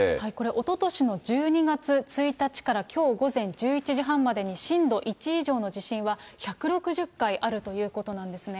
おととしの１２月１日からきょう午前１１時半までに震度１以上の地震は１６０回あるということなんですね。